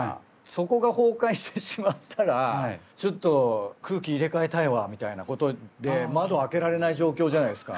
そこが崩壊してしまったら「ちょっと空気入れ替えたいわ」みたいなことで窓開けられない状況じゃないですか。